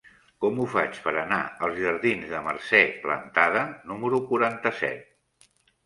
Com ho faig per anar als jardins de Mercè Plantada número quaranta-set?